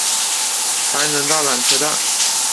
才能到缆车站